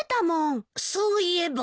そういえば。